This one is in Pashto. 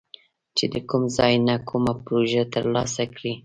چې د کوم ځای نه کومه پروژه تر لاسه کړي